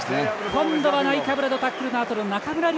今度はナイカブラのタックルのあとの中村亮